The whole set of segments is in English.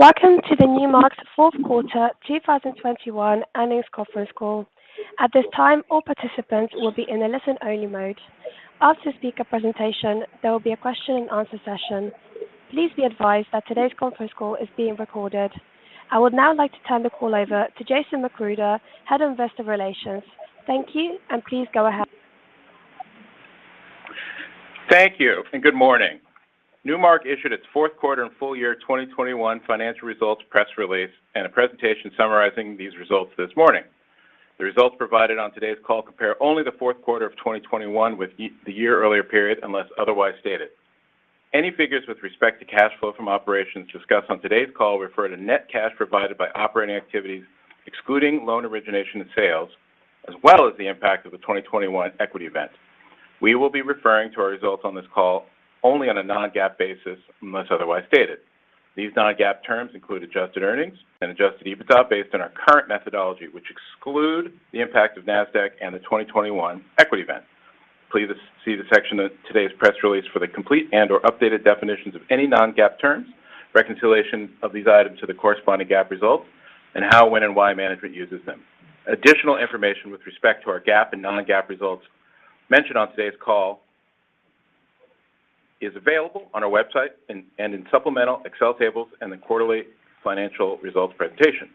Welcome to Newmark's Fourth Quarter 2021 Earnings Conference call. At this time, call participants will be in a listen-only mode. After speaker presentation, there will be a question and answer session. Please be advised that today's conference call is being recorded. I would now like to turn the call over to Jason McGruder, Head of Investor Relations. Thank you, and please go ahead. Thank you, and good morning. Newmark issued its fourth quarter and full year 2021 financial results press release and a presentation summarizing these results this morning. The results provided on today's call compare only the fourth quarter of 2021 with the year earlier period, unless otherwise stated. Any figures with respect to cash flow from operations discussed on today's call refer to net cash provided by operating activities, excluding loan origination and sales, as well as the impact of the 2021 equity event. We will be referring to our results on this call only on a non-GAAP basis, unless otherwise stated. These non-GAAP terms include adjusted earnings and Adjusted EBITDA based on our current methodology, which exclude the impact of Nasdaq and the 2021 equity event. Please see the section of today's press release for the complete and/or updated definitions of any non-GAAP terms, reconciliation of these items to the corresponding GAAP results, and how, when, and why management uses them. Additional information with respect to our GAAP and non-GAAP results mentioned on today's call is available on our website and in supplemental Excel tables in the quarterly financial results presentation.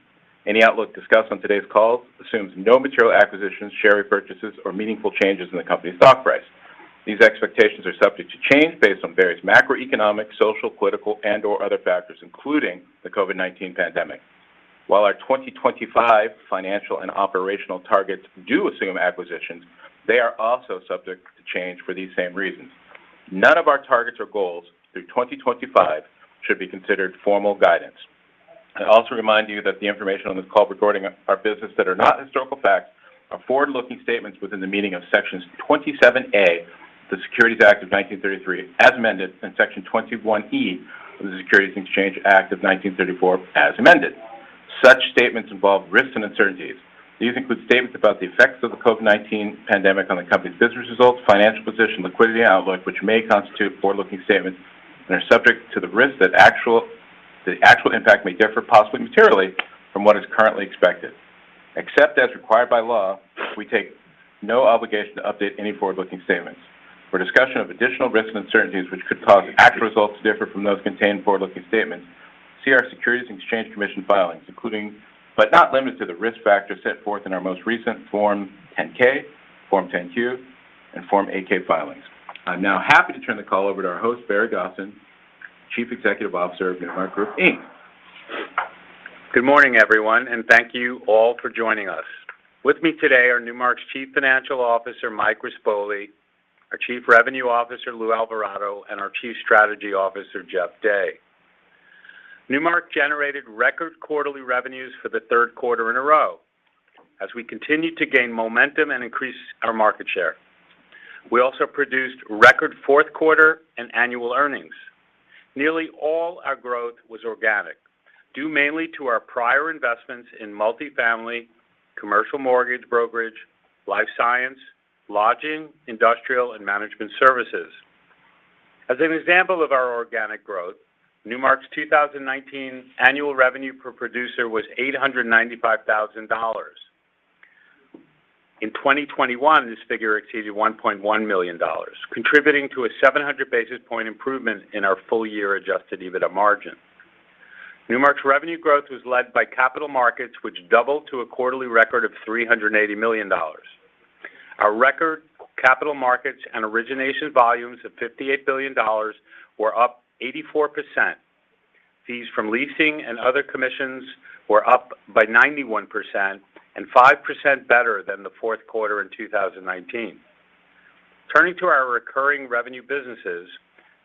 Any outlook discussed on today's call assumes no material acquisitions, share repurchases, or meaningful changes in the company's stock price. These expectations are subject to change based on various macroeconomic, social, political, and/or other factors, including the COVID-19 pandemic. While our 2025 financial and operational targets do assume acquisitions, they are also subject to change for these same reasons. None of our targets or goals through 2025 should be considered formal guidance. I also remind you that the information on this call regarding our business that are not historical facts are forward-looking statements within the meaning of Sections 27A of the Securities Act of 1933, as amended, and Section 21E of the Securities Exchange Act of 1934, as amended. Such statements involve risks and uncertainties. These include statements about the effects of the COVID-19 pandemic on the company's business results, financial position, liquidity, and outlook, which may constitute forward-looking statements and are subject to the risk that the actual impact may differ possibly materially from what is currently expected. Except as required by law, we take no obligation to update any forward-looking statements. For discussion of additional risks and uncertainties which could cause actual results to differ from those contained in forward-looking statements, see our Securities and Exchange Commission filings, including but not limited to the risk factors set forth in our most recent Form 10-K, Form 10-Q, and Form 8-K filings. I'm now happy to turn the call over to our host, Barry Gosin, Chief Executive Officer of Newmark Group, Inc. Good morning, everyone, and thank you all for joining us. With me today are Newmark's Chief Financial Officer, Mike Rispoli, our Chief Revenue Officer, Lou Alvarado, and our Chief Strategy Officer, Jeff Day. Newmark generated record quarterly revenues for the third quarter in a row as we continued to gain momentum and increase our market share. We also produced record fourth quarter and annual earnings. Nearly all our growth was organic, due mainly to our prior investments in multifamily, commercial mortgage brokerage, life science, lodging, industrial, and Management Services. As an example of our organic growth, Newmark's 2019 annual revenue per producer was $895,000. In 2021, this figure exceeded $1.1 million, contributing to a 700 basis point improvement in our full-year Adjusted EBITDA margin. Newmark's revenue growth was led by Capital Markets, which doubled to a quarterly record of $380 million. Our record Capital Markets and origination volumes of $58 billion were up 84%. Fees from leasing and other commissions were up by 91% and 5% better than the fourth quarter in 2019. Turning to our recurring revenue businesses,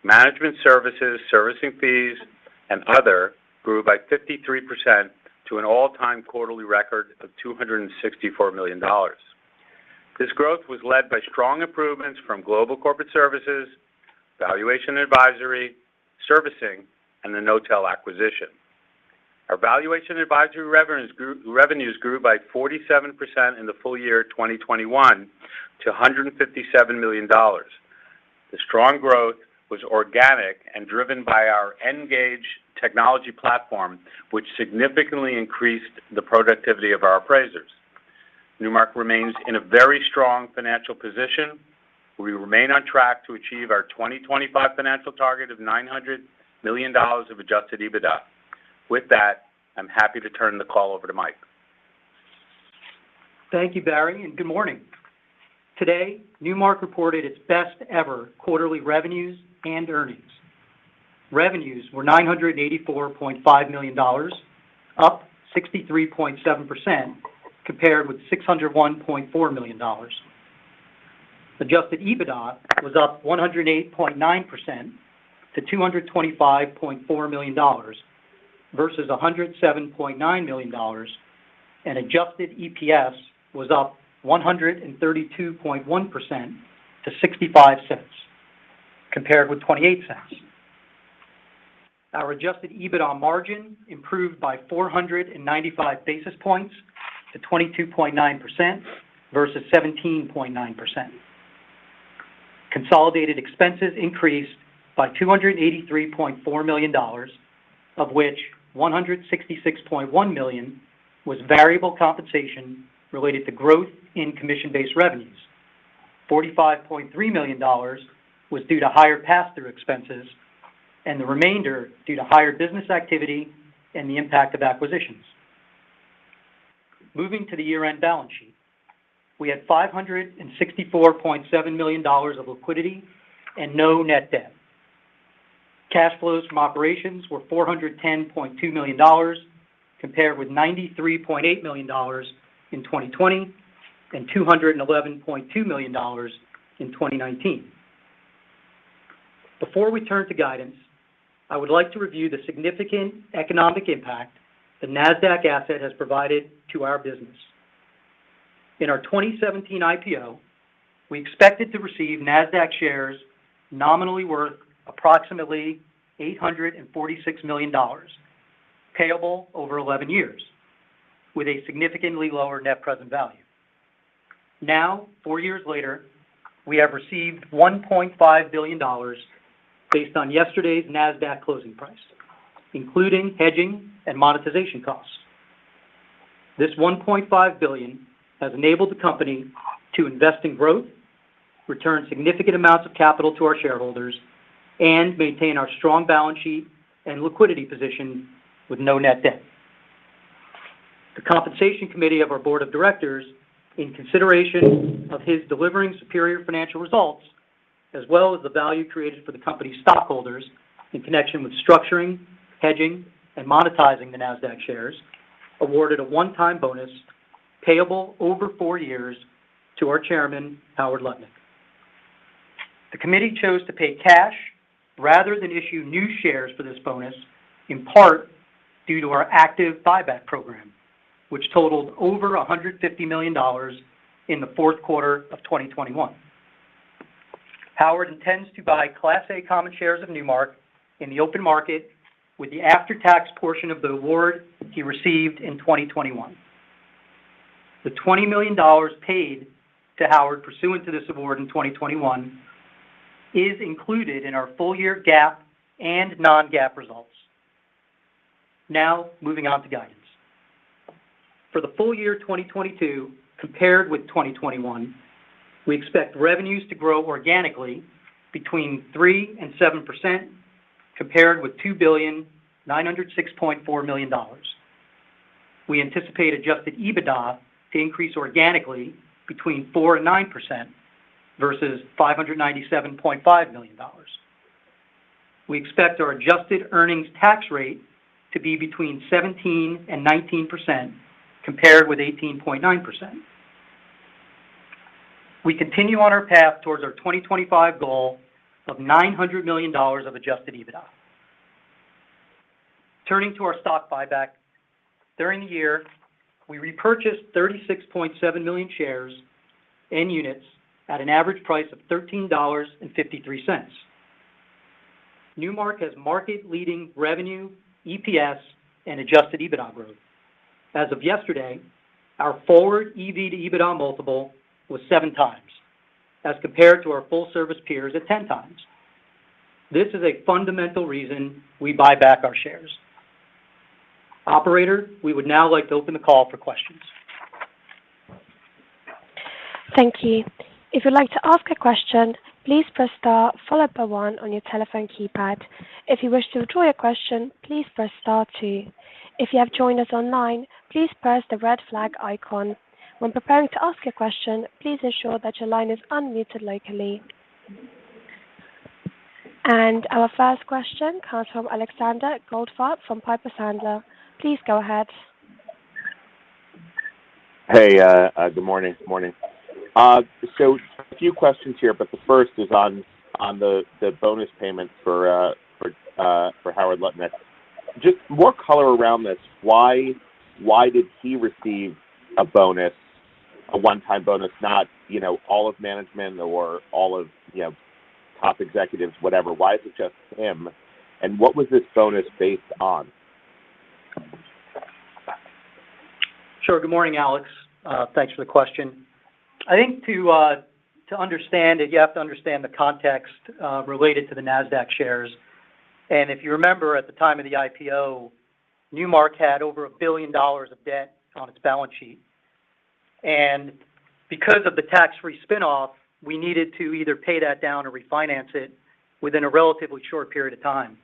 Management Services, servicing fees, and other grew by 53% to an all-time quarterly record of $264 million. This growth was led by strong improvements from Global Corporate Services, Valuation & Advisory, servicing, and the Knotel acquisition. Our Valuation & Advisory revenues grew by 47% in the full year 2021 to $157 million. The strong growth was organic and driven by our Ngage technology platform, which significantly increased the productivity of our appraisers. Newmark remains in a very strong financial position. We remain on track to achieve our 2025 financial target of $900 million of Adjusted EBITDA. With that, I'm happy to turn the call over to Mike. Thank you, Barry, and good morning. Today, Newmark reported its best ever quarterly revenues and earnings. Revenues were $984.5 million, up 63.7% compared with $601.4 million. Adjusted EBITDA was up 108.9% to $225.4 million versus $107.9 million. Adjusted EPS was up 132.1% to $0.65 compared with $0.28. Our Adjusted EBITDA margin improved by 495 basis points to 22.9% versus 17.9%. Consolidated expenses increased by $283.4 million, of which $166.1 million was variable compensation related to growth in commission-based revenues. $45.3 million was due to higher pass-through expenses and the remainder due to higher business activity and the impact of acquisitions. Moving to the year-end balance sheet. We had $564.7 million of liquidity and no net debt. Cash flows from operations were $410.2 million compared with $93.8 million in 2020 and $211.2 million in 2019. Before we turn to guidance, I would like to review the significant economic impact the Nasdaq asset has provided to our business. In our 2017 IPO, we expected to receive Nasdaq shares nominally worth approximately $846 million payable over 11 years with a significantly lower net present value. Now, four years later, we have received $1.5 billion based on yesterday's Nasdaq closing price, including hedging and monetization costs. This $1.5 billion has enabled the company to invest in growth, return significant amounts of capital to our shareholders, and maintain our strong balance sheet and liquidity position with no net debt. The compensation committee of our board of directors, in consideration of his delivering superior financial results, as well as the value created for the company's stockholders in connection with structuring, hedging, and monetizing the Nasdaq shares, awarded a one-time bonus payable over four years to our Chairman, Howard Lutnick. The committee chose to pay cash rather than issue new shares for this bonus, in part due to our active buyback program, which totaled over $150 million in the fourth quarter of 2021. Howard intends to buy Class A common shares of Newmark in the open market with the after-tax portion of the award he received in 2021. The $20 million paid to Howard pursuant to this award in 2021 is included in our full year GAAP and non-GAAP results. Now, moving on to guidance. For the full year 2022 compared with 2021, we expect revenues to grow organically between 3% and 7% compared with $2,906.4 million. We anticipate Adjusted EBITDA to increase organically between 4% and 9% versus $597.5 million. We expect our adjusted earnings tax rate to be between 17% and 19% compared with 18.9%. We continue on our path towards our 2025 goal of $900 million of Adjusted EBITDA. Turning to our stock buyback. During the year, we repurchased 36.7 million shares and units at an average price of $13.53. Newmark has market-leading revenue, EPS, and Adjusted EBITDA growth. As of yesterday, our forward EV/EBITDA multiple was 7x as compared to our full-service peers at 10x. This is a fundamental reason we buy back our shares. Operator, we would now like to open the call for questions. Thank you. If you'd like to ask a question, please press star followed by one on your telephone keypad. If you wish to withdraw your question, please press star two. If you have joined us online, please press the red flag icon. When preparing to ask a question, please ensure that your line is unmuted locally. Our first question comes from Alexander Goldfarb from Piper Sandler. Please go ahead. Good morning. A few questions here, but the first is on the bonus payment for Howard Lutnick. Just more color around this, why did he receive a bonus, a one-time bonus, not, you know, all of management or all of, you know, top executives, whatever. Why is it just him? and what was this bonus based on? Sure. Good morning, Alex. Thanks for the question. I think to understand it, you have to understand the context related to the Nasdaq shares. If you remember at the time of the IPO, Newmark had over $1 billion of debt on its balance sheet. Because of the tax-free spinoff, we needed to either pay that down or refinance it within a relatively short period of time.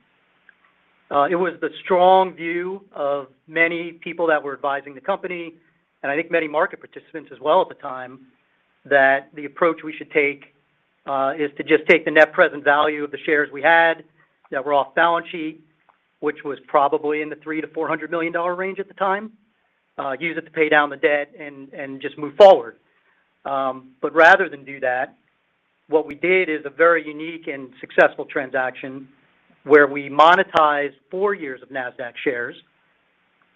It was the strong view of many people that were advising the company, and I think many market participants as well at the time, that the approach we should take is to just take the net present value of the shares we had that were off balance sheet, which was probably in the $300 million-$400 million range at the time, use it to pay down the debt and just move forward. But rather than do that, what we did is a very unique and successful transaction where we monetized four years of Nasdaq shares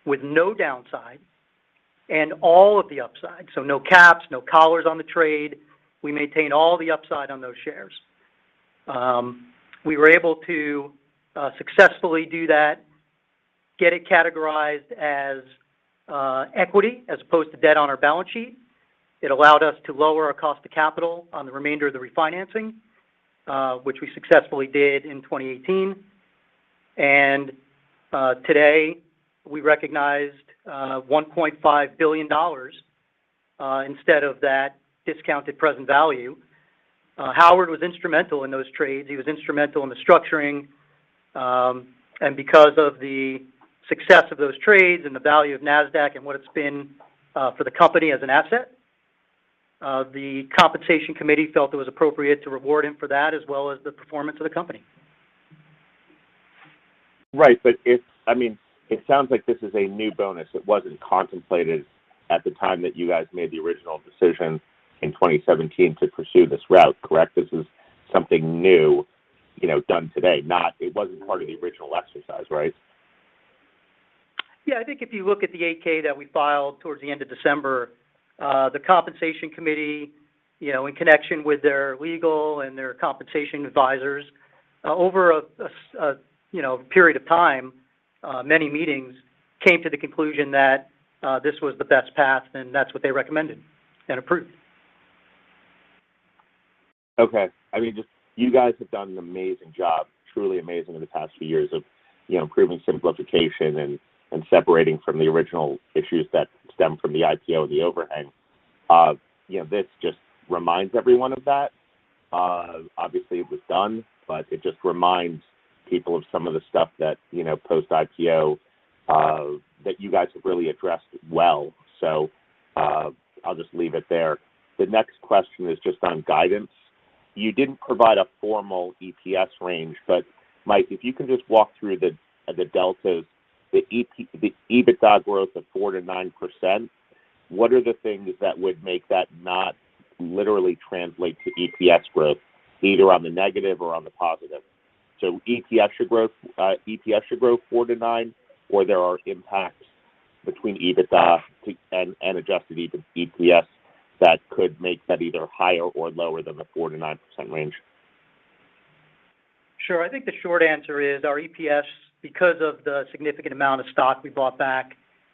with no downside and all of the upside. No caps, no collars on the trade. We maintain all the upside on those shares. We were able to successfully do that, get it categorized as equity as opposed to debt on our balance sheet. It allowed us to lower our cost of capital on the remainder of the refinancing, which we successfully did in 2018. Today, we recognized $1.5 billion instead of that discounted present value. Howard was instrumental in those trades. He was instrumental in the structuring, and because of the success of those trades and the value of Nasdaq and what it's been for the company as an asset, the compensation committee felt it was appropriate to reward him for that as well as the performance of the company. Right. I mean, it sounds like this is a new bonus. It wasn't contemplated at the time that you guys made the original decision in 2017 to pursue this route. Correct? This is something new, you know, done today, not -- it wasn't part of the original exercise, right? Yeah. I think if you look at the 8-K that we filed towards the end of December, the compensation committee, you know, in connection with their legal and their compensation advisors, over a period of time, many meetings came to the conclusion that this was the best path, and that's what they recommended and approved. Okay. I mean, just you guys have done an amazing job, truly amazing in the past few years of, you know, proving simplification and separating from the original issues that stem from the IPO and the overhang. You know, this just reminds everyone of that. Obviously, it was done, but it just reminds people of some of the stuff that, you know, post-IPO, that you guys have really addressed well. I'll just leave it there. The next question is just on guidance. You didn't provide a formal EPS range, but Mike, if you can just walk through the deltas, the EBITDA growth of 4%-9%, what are the things that would make that not literally translate to EPS growth either on the negative or on the positive? EPS should grow 4%-9%, or there are impacts between EBITDA and Adjusted EPS that could make that either higher or lower than the 4%-9% range. Sure. I think the short answer is our EPS, because of the significant amount of stock we bought back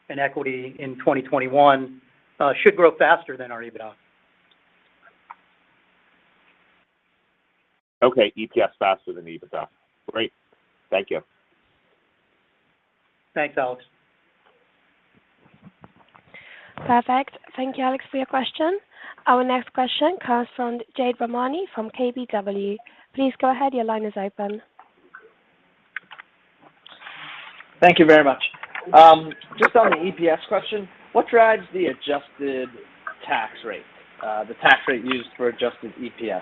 in equity in 2021, should grow faster than our EBITDA. Okay. EPS faster than EBITDA. Great. Thank you. Thanks, Alex. Perfect. Thank you, Alex, for your question. Our next question comes from Jade Rahmani from KBW. Please go ahead. Your line is open. Thank you very much. Just on the EPS question, what drives the adjusted tax rate, the tax rate used for Adjusted EPS?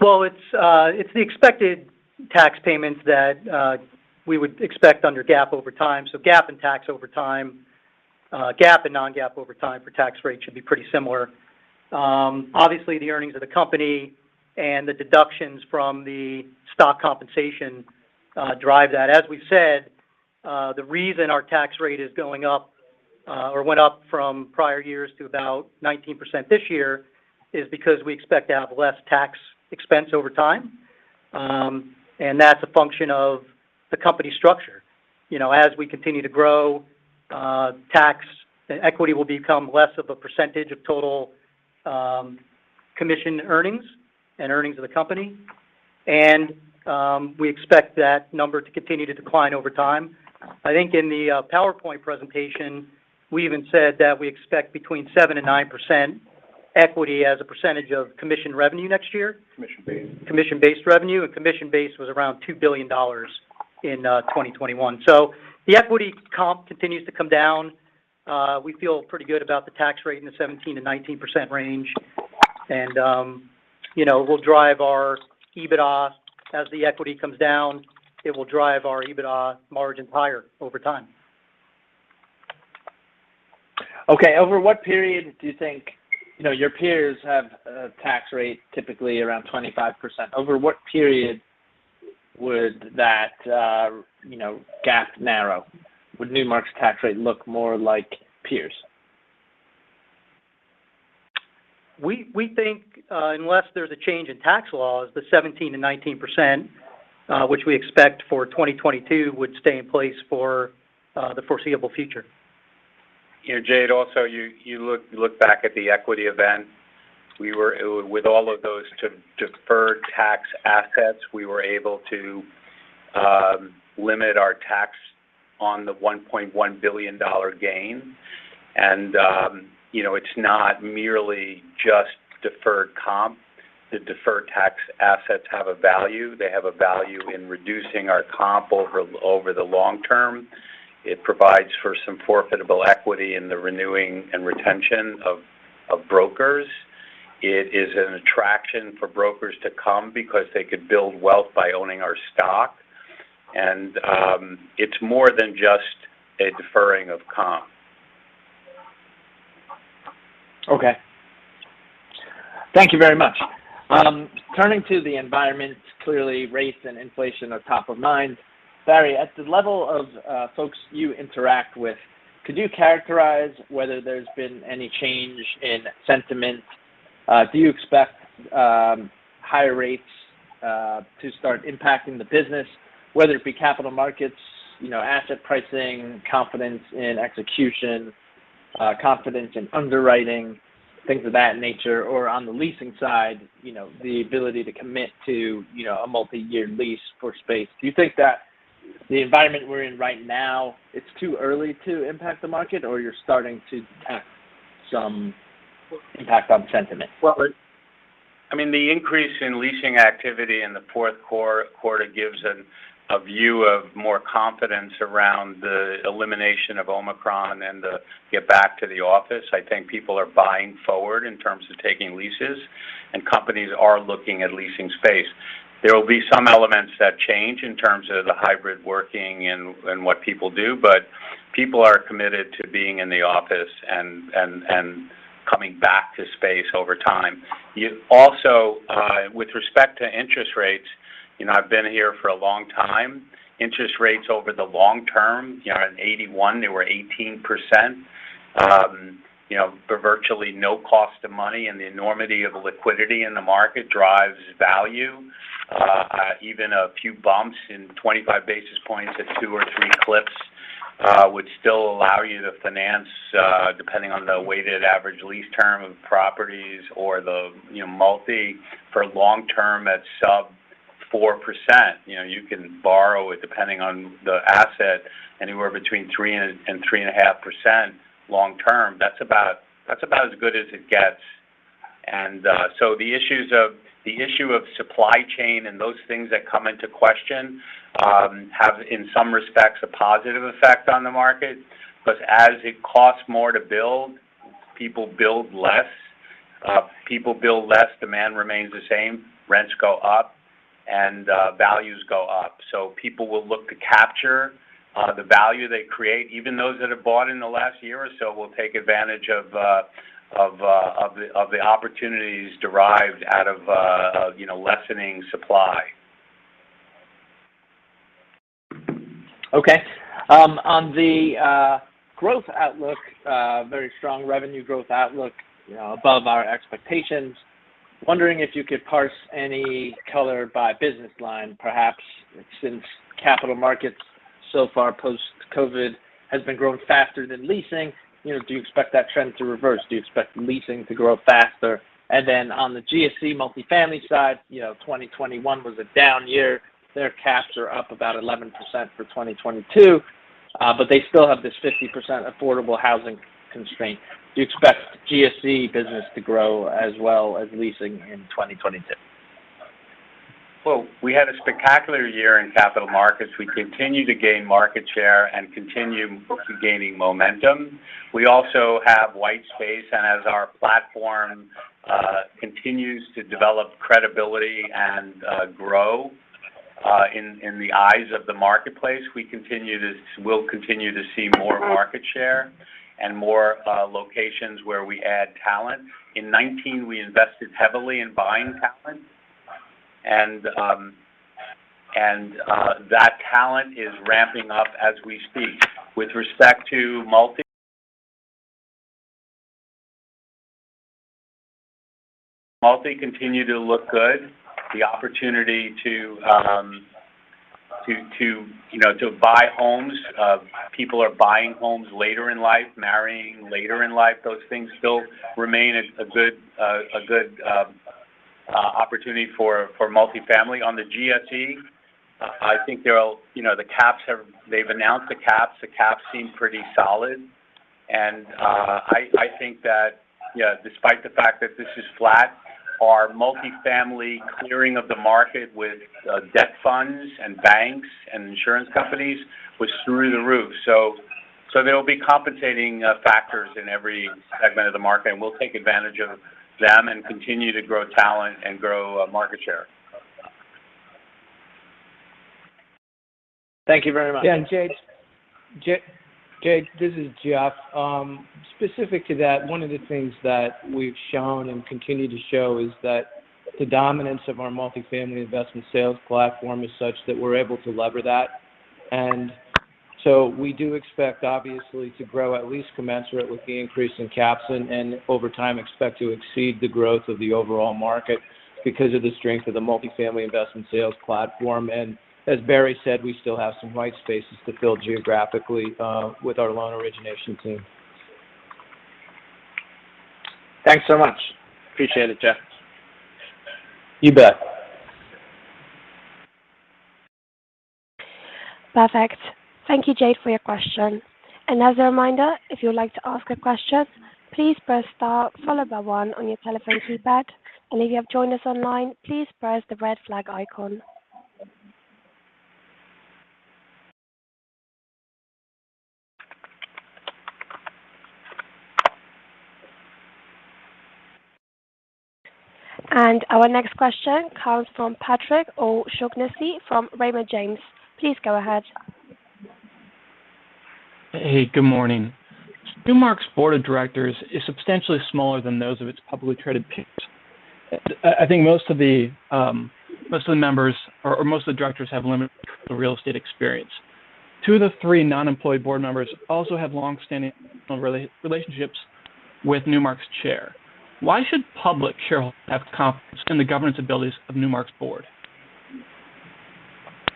Well, it's the expected tax payments that we would expect under GAAP over time. So GAAP and tax over time, GAAP and non-GAAP over time for tax rate should be pretty similar. Obviously, the earnings of the company and the deductions from the stock compensation drive that. As we've said, the reason our tax rate is going up, or went up from prior years to about 19% this year is because we expect to have less tax expense over time, and that's a function of the company structure. You know, as we continue to grow, tax and equity will become less of a percentage of total commission earnings and earnings of the company. We expect that number to continue to decline over time. I think in the PowerPoint presentation, we even said that we expect between 7% and 9% equity as a percentage of commission revenue next year. Commission-based. Commission-based revenue, and commission-based was around $2 billion in 2021. The equity comp continues to come down. We feel pretty good about the tax rate in the 17%-19% range. You know, we'll drive our EBITDA as the equity comes down. It will drive our EBITDA margins higher over time. Okay. Over what period do you think, you know, your peers have a tax rate typically around 25%? Over what period would that, you know, gap narrow? Would Newmark's tax rate look more like peers? We think unless there's a change in tax laws, the 17%-19%, which we expect for 2022, would stay in place for the foreseeable future. You know, Jade, also you look back at the equity event. With all of those deferred tax assets, we were able to limit our tax on the $1.1 billion gain. You know, it's not merely just deferred comp. The deferred tax assets have a value. They have a value in reducing our comp over the long term. It provides for some forfeitable equity in the renewing and retention of brokers. It is an attraction for brokers to come because they could build wealth by owning our stock. It's more than just a deferring of comp. Okay. Thank you very much. Turning to the environment, clearly rates and inflation are top of mind. Barry, at the level of folks you interact with, could you characterize whether there's been any change in sentiment? Do you expect higher rates to start impacting the business, whether it be Capital Markets, you know, asset pricing, confidence in execution, confidence in underwriting, things of that nature, or on the leasing side, you know, the ability to commit to, you know, a multi-year lease for space? Do you think that the environment we're in right now, it's too early to impact the market or you're starting to have some impact on sentiment? Well, I mean, the increase in leasing activity in the fourth quarter gives a view of more confidence around the elimination of Omicron and the getting back to the office. I think people are buying forward in terms of taking leases and companies are looking at leasing space. There will be some elements that change in terms of the hybrid working and what people do, but people are committed to being in the office and coming back to space over time. Also, with respect to interest rates, you know, I've been here for a long time. Interest rates over the long term, you know, in 1981 they were 18%. You know, for virtually no cost of money and the enormity of liquidity in the market drives value. Even a few bumps in 25 basis points at two or three clips would still allow you to finance, depending on the weighted average lease term of properties or the, you know, multi for long term at sub-4%. You know, you can borrow it depending on the asset anywhere between 3% and 3.5% long term. That's about as good as it gets. The issue of supply chain and those things that come into question have in some respects a positive effect on the market. As it costs more to build, people build less. People build less, demand remains the same, rents go up, and values go up. People will look to capture the value they create. Even those that have bought in the last year or so will take advantage of the opportunities derived out of, you know, lessening supply. Okay. On the growth outlook, very strong revenue growth outlook, you know, above our expectations. Wondering if you could parse any color by business line, perhaps since Capital Markets so far post-COVID has been growing faster than leasing. You know, do you expect that trend to reverse? Do you expect leasing to grow faster? Then, on the GSE multifamily side, you know, 2021 was a down year. Their caps are up about 11% for 2022, but they still have this 50% affordable housing constraint. Do you expect GSE business to grow as well as leasing in 2022? Well, we had a spectacular year in Capital Markets. We continue to gain market share and continue gaining momentum. We also have white space and as our platform continues to develop credibility and grow in the eyes of the marketplace, we'll continue to see more market share and more locations where we add talent. In 2019, we invested heavily in buying talent and that talent is ramping up as we speak. With respect to multi -- multi continue to look good. The opportunity to, you know, to buy homes. People are buying homes later in life, marrying later in life. Those things still remain a good opportunity for multifamily. On the GSE, I think, you know, the caps have. They've announced the caps. The caps seem pretty solid. I think that, you know, despite the fact that this is flat, our multifamily clearing of the market with debt funds and banks and insurance companies was through the roof. There will be compensating factors in every segment of the market, and we'll take advantage of them and continue to grow talent and grow market share. Thank you very much. Jade, this is Jeff. Specific to that, one of the things that we've shown and continue to show is that the dominance of our multifamily investment sales platform is such that we're able to leverage that. We do expect obviously to grow at least commensurate with the increase in caps and over time expect to exceed the growth of the overall market because of the strength of the multifamily investment sales platform. As Barry said, we still have some white spaces to fill geographically with our loan origination team. Thanks so much. Appreciate it, Jeff. You bet. Perfect. Thank you, Jade, for your question. As a reminder, if you would like to ask a question, please press star followed by one on your telephone keypad. If you have joined us online, please press the red flag icon. Our next question comes from Patrick O'Shaughnessy from Raymond James. Please go ahead. Hey, good morning. Newmark's board of directors is substantially smaller than those of its publicly traded peers. I think most of the members or most of the directors have limited real estate experience. Two of the three non-employee board members also have long-standing relationships with Newmark's chair. Why should public shareholders have confidence in the governance abilities of Newmark's board?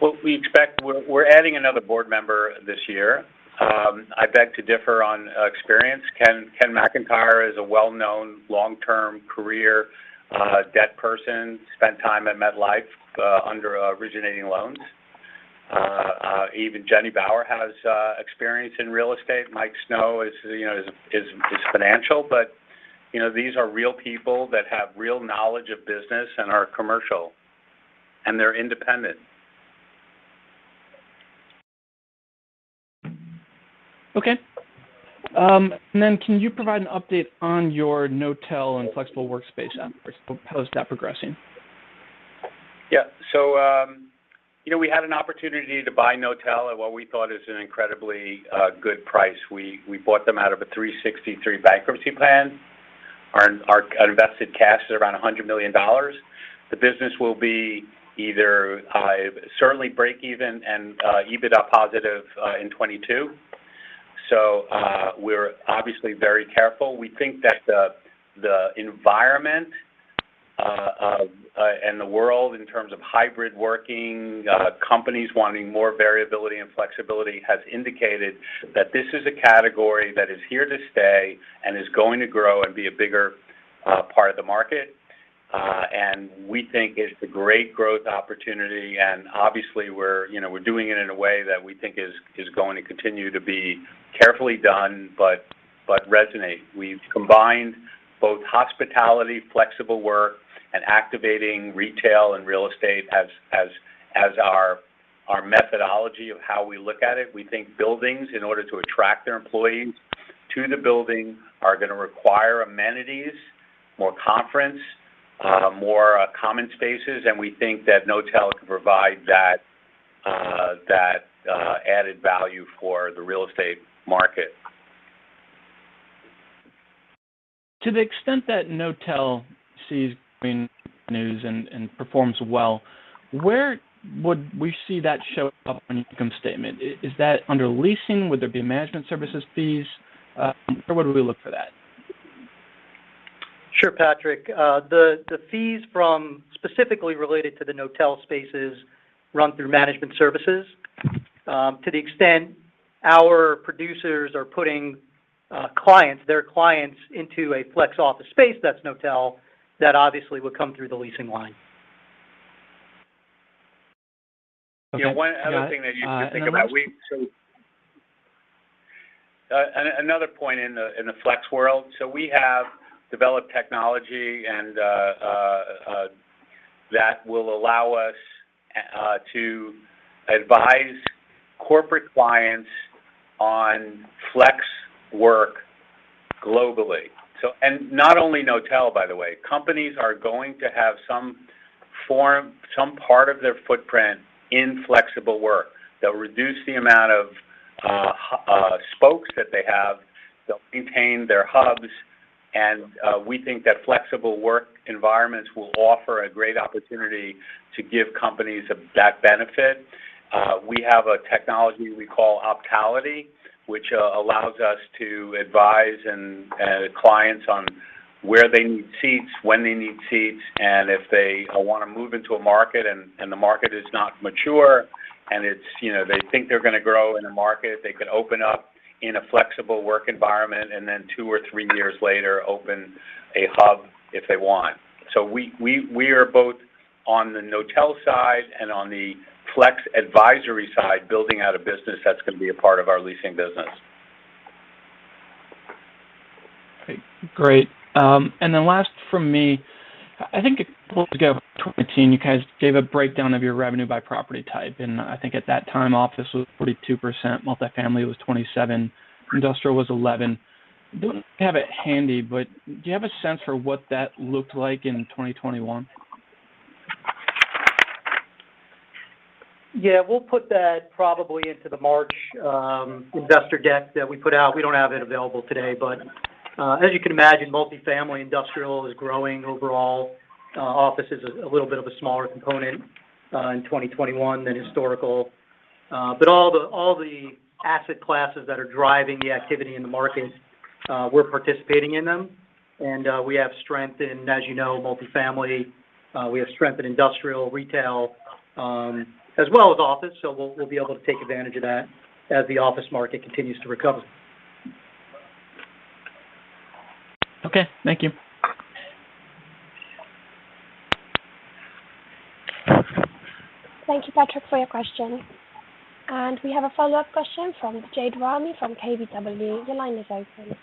What we expect, we're adding another board member this year. I beg to differ on experience. Ken McIntyre is a well-known long-term career. That person spent time at MetLife under originating loans. Even Virginia Bauer has experience in real estate. Michael Snow is, you know, financial. You know, these are real people that have real knowledge of business and are commercial, and they're independent. Okay. Can you provide an update on your Knotel and flexible workspace efforts? How is that progressing? Yeah. You know, we had an opportunity to buy Knotel at what we thought is an incredibly good price. We bought them out of a Section 363 bankruptcy plan. Our invested cash is around $100 million. The business will be either certainly break even and EBITDA positive in 2022. We're obviously very careful. We think that the environment and the world in terms of hybrid working, companies wanting more variability and flexibility, has indicated that this is a category that is here to stay and is going to grow and be a bigger part of the market. We think it's a great growth opportunity. Obviously we're, you know, we're doing it in a way that we think is going to continue to be carefully done, but resonate. We've combined both hospitality, flexible work, and activating retail and real estate as our methodology of how we look at it. We think buildings, in order to attract their employees to the building, are gonna require amenities, more conference, more common spaces. We think that Knotel can provide that added value for the real estate market. To the extent that Knotel has been in news and performs well, where would we see that show up on your income statement? Is that under leasing? Would there be Management Services fees, or where do we look for that? Sure, Patrick. The fees from specifically related to the Knotel spaces run through Management Services. To the extent our producers are putting clients, their clients into a flex office space, that's Knotel. That obviously would come through the leasing line. Yeah. One other thing that you should think about. Another point in the flex world. We have developed technology that will allow us to advise corporate clients on flex work globally, not only Knotel, by the way. Companies are going to have some form, some part of their footprint in flexible work. They'll reduce the amount of spokes that they have. They'll maintain their hubs. We think that flexible work environments will offer a great opportunity to give companies that benefit. We have a technology we call Optality, which allows us to advise clients on where they need seats, when they need seats. If they wanna move into a market and the market is not mature, and it's, you know, they think they're gonna grow in a market, they could open up in a flexible work environment and then two or three years later, open a hub if they want. We are both on the Knotel side and on the flex advisory side, building out a business that's gonna be a part of our leasing business. Great. Last from me, I think a while ago, 2018, you guys gave a breakdown of your revenue by property type, and I think at that time, office was 42%, multifamily was 27%, industrial was 11%. Don't have it handy, but do you have a sense for what that looked like in 2021? Yeah, we'll put that probably into the March investor deck that we put out. We don't have it available today. As you can imagine, multifamily industrial is growing overall. Office is a little bit of a smaller component in 2021 than historical. All the asset classes that are driving the activity in the markets, we're participating in them. We have strength in, as you know, multifamily. We have strength in industrial, retail, as well as office. We'll be able to take advantage of that as the office market continues to recover. Okay. Thank you. Thank you, Patrick, for your question. We have a follow-up question from Jade Rahmani from KBW. Your line is open.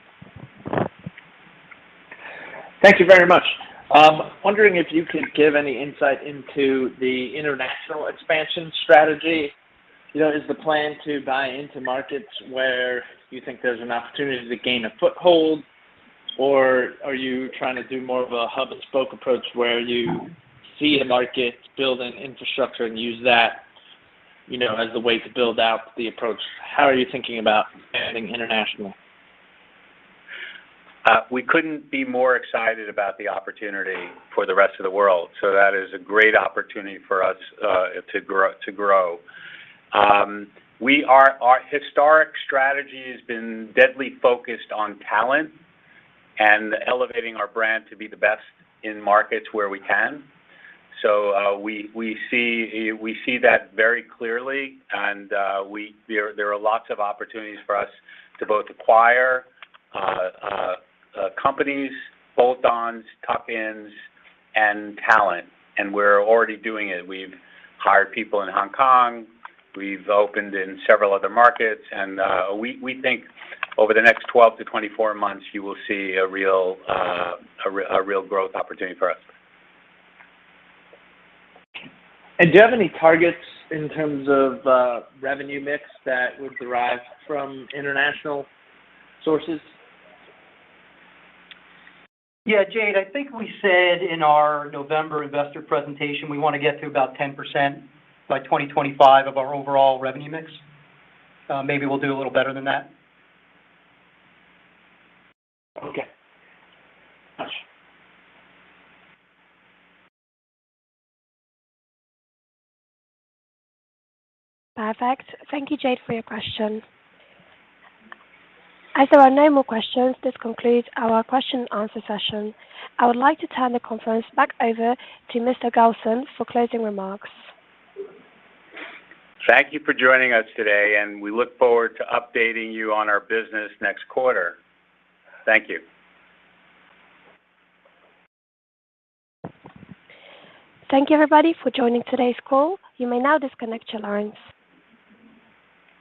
Thank you very much. I'm wondering if you could give any insight into the international expansion strategy. You know, is the plan to buy into markets where you think there's an opportunity to gain a foothold, or are you trying to do more of a hub and spoke approach where you see a market, build an infrastructure, and use that, you know, as the way to build out the approach? How are you thinking about expanding internationally? We couldn't be more excited about the opportunity for the rest of the world. That is a great opportunity for us to grow. Our historic strategy has been deeply focused on talent and elevating our brand to be the best in markets where we can. We see that very clearly and there are lots of opportunities for us to both acquire companies, bolt-ons, top-ins, and talent. We're already doing it. We've hired people in Hong Kong. We've opened in several other markets. We think over the next 12-24 months, you will see a real growth opportunity for us. Do you have any targets in terms of revenue mix that would derive from international sources? Yeah. Jade, I think we said in our November investor presentation, we wanna get to about 10% by 2025 of our overall revenue mix. Maybe we'll do a little better than that. Okay. Thanks. Perfect. Thank you, Jade, for your question. As there are no more questions, this concludes our question and answer session. I would like to turn the conference back over to Mr. Gosin for closing remarks. Thank you for joining us today, and we look forward to updating you on our business next quarter. Thank you. Thank you everybody for joining today's call. You may now disconnect your lines.